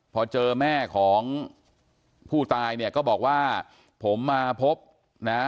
พอเจอแม่ของผู้ตายเนี่ยก็บอกว่าผมมาพบนะ